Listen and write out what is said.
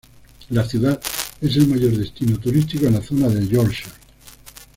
La ciudad es el mayor destino turístico de la zona de Yorkshire.